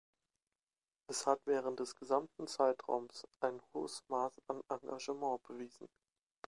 Es hat während des gesamten Zeitraums ein hohes Maß an Engagement bewiesen.